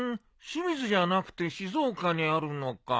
清水じゃなくて静岡にあるのか。